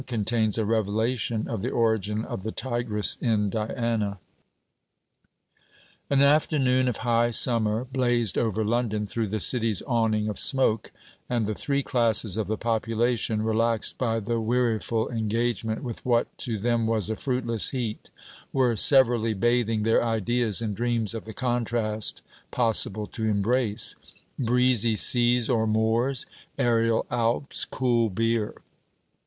CONTAINS A REVELATION OF THE ORIGIN OF THE TIGRESS IN DIANA An afternoon of high summer blazed over London through the City's awning of smoke, and the three classes of the population, relaxed by the weariful engagement with what to them was a fruitless heat, were severally bathing their ideas in dreams of the contrast possible to embrace: breezy seas or moors, aerial Alps, cool beer.